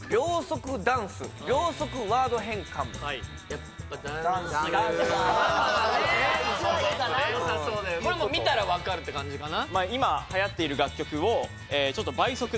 やっぱダンスダンスがこれもう見たらわかるって感じかな？